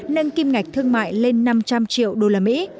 nâng kim ngạch thương mại lên năm trăm linh triệu usd